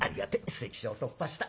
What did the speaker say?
関所を突破した。